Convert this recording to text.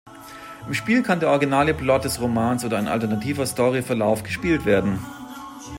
Im Spiel kann der originale Plot des Romans oder ein alternativer Story-Verlauf gespielt werden.